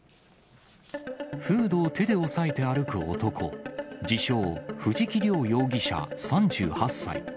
フードを手で押さえて歩く男、自称、藤木涼容疑者３８歳。